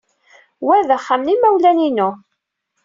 Wa d axxam n yimawlan-inu.